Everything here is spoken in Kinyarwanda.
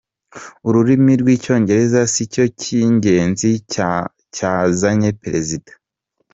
Ururimi rw’Icyongereza si cyo cy’ingenzi cyazanye Perezida